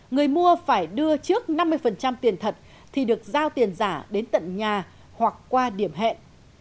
người mua phải đưa trước năm mươi tiền thật thì được giao tiền giả đến tận nhà hoặc qua điểm hẹn